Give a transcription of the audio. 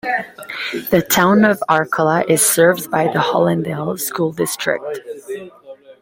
The Town of Arcola is served by the Hollandale School District.